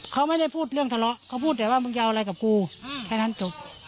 เขาไม่ได้พูดเรื่องทะเลาะเขาพูดแต่ว่ามึงจะเอาอะไรกับกูแค่นั้นจบ